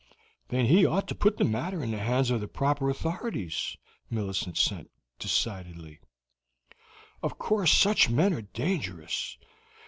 "Then he ought to put the matter in the hands of the proper authorities," Millicent said decidedly. "Of course such men are dangerous.